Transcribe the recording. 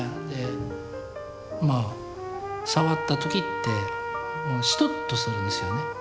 でまあ触った時ってシトッとするんですよね